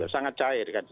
sangat cair kan